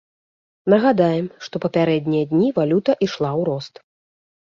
Нагадаем, што папярэднія дні валюта ішла ў рост.